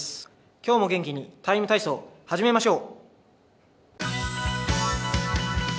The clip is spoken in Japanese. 今日も元気に「ＴＩＭＥ，体操」始めましょう。